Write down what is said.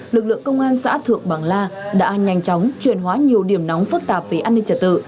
lực lượng công an xã thượng bằng la đã nhanh chóng chuyển hóa nhiều điểm nóng phức tạp về an ninh trật tự